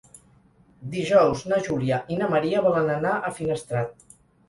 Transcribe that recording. Dijous na Júlia i na Maria volen anar a Finestrat.